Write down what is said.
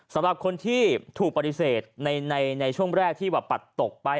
สำหรับคนที่ถูกปฏิเสธในช่วงแรกที่แบบปัดตกไป